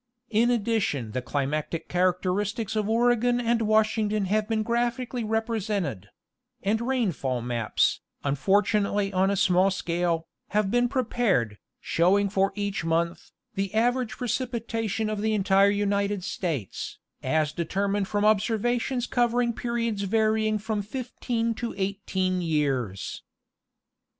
In addition the climatic characteristics of Oregon and Washington have been graphically represented ; and rainfall maps,—unfortunately on a small scale,—have been prepared, showing for each month, the average precipitation of the entire United States, as determined from observations covering periods varying from fifteen to eigh teen years.